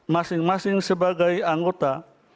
masing masing sebagai anggota